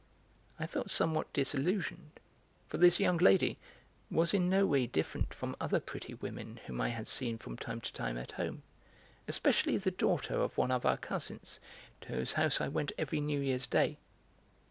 I felt somewhat disillusioned, for this young lady was in no way different from other pretty women whom I had seen from time to time at home, especially the daughter of one of our cousins, to whose house I went every New Year's Day.